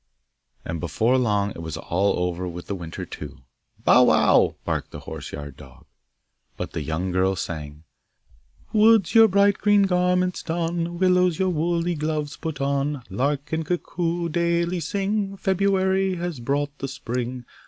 And before long it was all over with the winter too! 'Bow wow!' barked the hoarse yard dog. But the young girl sang: Woods, your bright green garments don! Willows, your woolly gloves put on! Lark and cuckoo, daily sing February has brought the spring!